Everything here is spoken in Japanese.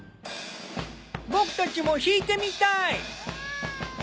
僕たちも弾いてみたい。